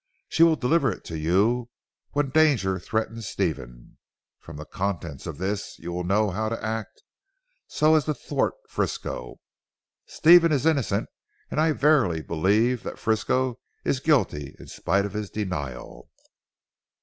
She will deliver it to you when danger threatens Stephen. From the contents of this you will know how to act, so as to thwart Frisco. Stephen is innocent, and I verily believe that Frisco is guilty in spite of his denial.